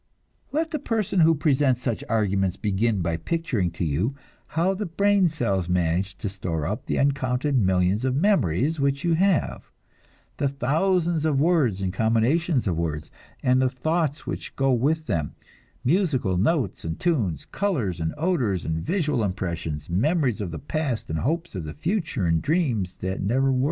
Let the person who presents such arguments begin by picturing to you how the brain cells manage to store up the uncounted millions of memories which you have, the thousands of words and combinations of words, and the thoughts which go with them, musical notes and tunes, colors and odors and visual impressions, memories of the past and hopes of the future and dreams that never were.